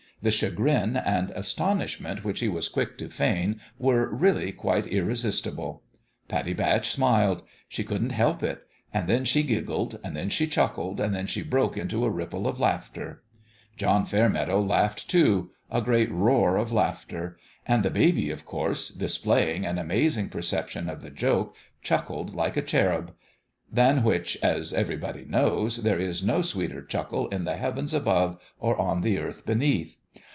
The chagrin and astonishment which he was quick to feign were really quite irresistible. Pattie Batch smiled : she couldn't help it ; and then she giggled, and then she chuckled, and then she broke into a ripple of laughter. John Fairmeadow laughed, too a great roar of laughter. And the baby, of course, displaying an amazing perception of the joke, chuckled like a cherub : than which, as everybody knows, there is no sweeter chuckle in the heavens above or on the earth beneath.